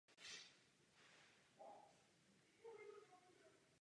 Je to cenný nástroj ke snížení naší závislosti na ropě.